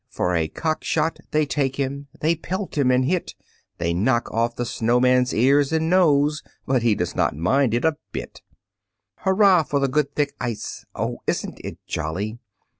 For a cockshot They take him; they pelt him and hit; They knock of the snowman's ears and nose, But he does not mind it a bit. Hurrah! for the good thick ice. Oh! isn't it jolly?